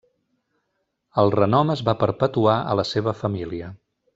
El renom es va perpetuar a la seva família.